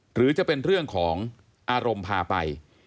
หรือจะเป็นเรื่องของอารมณ์พาไป